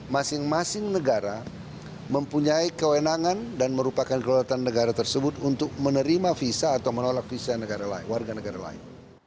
masing masing negara mempunyai kewenangan dan merupakan kelelatan negara tersebut untuk menerima visa atau menolak visa warga negara lain